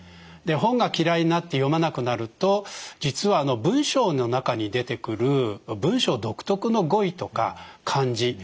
本が嫌いになって読まなくなると実は文章の中に出てくる文章独特の語彙とか漢字